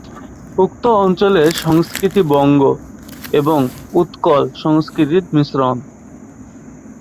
উক্ত অঞ্চলের সংস্কৃতি বঙ্গ এবং উৎকল সংস্কৃতির মিশ্রণ।